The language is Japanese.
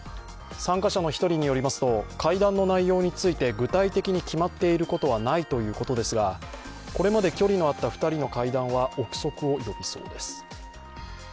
参加者の１人によりますと会談の内容について具体的に決まっていることはないということですがこれまで距離のあった２人の会談は臆測を呼びそうです。